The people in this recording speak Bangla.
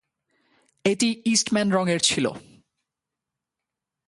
এটি ইস্টম্যান রঙের ছিল।